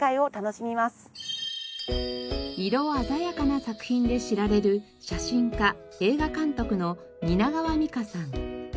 色鮮やかな作品で知られる写真家映画監督の蜷川実花さん。